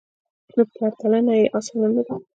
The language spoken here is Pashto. نو پرتلنه یې اسانه نه ده